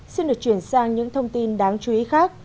xin được chuyển sang những thông tin đáng chú ý khác